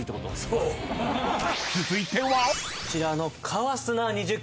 ［続いては］こちらの。